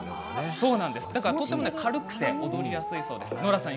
だからとても軽くて踊りやすいそうです。